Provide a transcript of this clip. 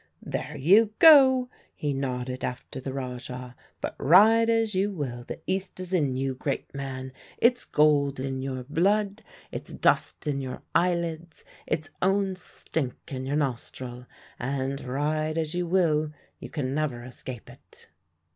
"There you go," he nodded after the Rajah; "but ride as you will, the East is in you, great man its gold in your blood, its dust in your eyelids, its own stink in your nostril; and, ride as you will, you can never escape it."